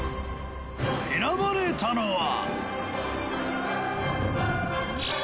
選ばれたのは。